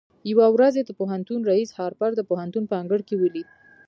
يوه ورځ يې د پوهنتون رئيس هارپر د پوهنتون په انګړ کې وليد.